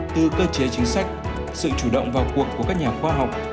từ cơ chế chính sách sự chủ động vào cuộc của các nhà khoa học